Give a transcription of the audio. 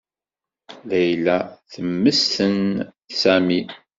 Layla temmesten Sami.